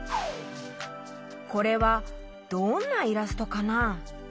これはどんなイラストかな？